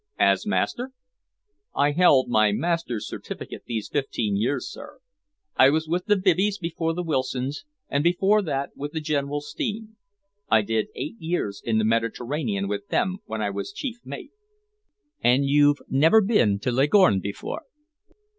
"As master?" "I've held my master's certificate these fifteen years, sir. I was with the Bibbys before the Wilsons, and before that with the General Steam. I did eight years in the Mediterranean with them, when I was chief mate." "And you've never been into Leghorn before?"